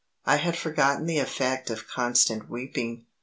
I had forgotten the effect of constant weeping.